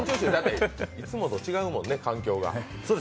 いつもと違うもんね、環境が。